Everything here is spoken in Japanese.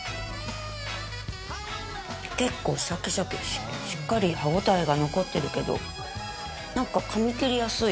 結構シャキシャキしっかり歯ごたえが残ってるけどなんか噛み切りやすい。